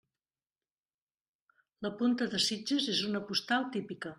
La Punta de Sitges és una postal típica.